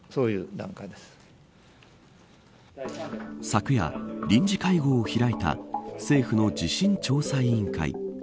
昨夜、臨時会合を開いた政府の地震調査委員会。